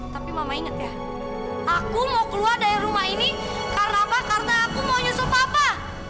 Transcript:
tapi mama inget ya aku mau keluar dari rumah ini karena apa karena aku mau nyusup apa